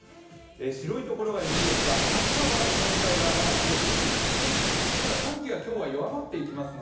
白いところが雪ですが朝は日本海側まだ広く雪が降っていますね。